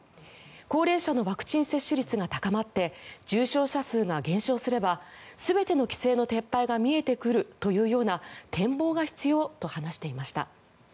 高齢者のワクチン接種率が高まって重症者数が減少すれば全ての規制の撤廃が見えてくるというような展望が必要と話していました。